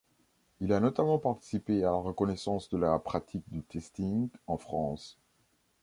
Il a notamment participé à la reconnaissance de la pratique du testing en France.